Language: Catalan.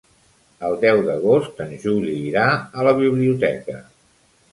El deu d'agost en Juli irà a la biblioteca.